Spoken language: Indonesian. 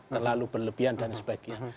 terlalu berlebihan dan sebagainya